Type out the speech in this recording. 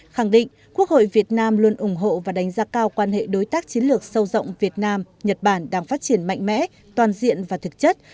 khẳng định quốc hội việt nam luôn ủng hộ và đánh giá cao quan hệ đối tác chiến lược sâu rộng việt nam nhật bản đang phát triển mạnh mẽ toàn diện và thực chất